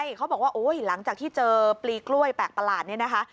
ใช่เขาบอกว่าโอ้ยหลังจากที่เจอปลีกล้วยแปลกประหลาดเนี่ยนะคะ